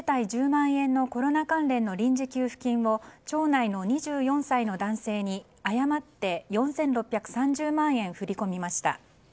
１０万円のコロナ関連の臨時給付金を町内の２４歳の男性に誤って４６３０万円振り込みました。